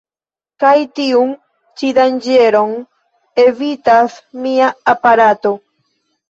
Kaj tiun ĉi danĝeron evitas mia aparato.